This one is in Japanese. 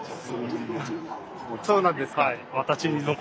そうなんですか。